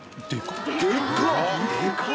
でかっ。